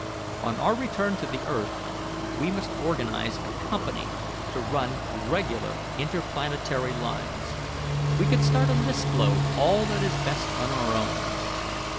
On our return to the earth we must organize a company to run regular interplanetary lines. We could start on this globe all that is best on our own.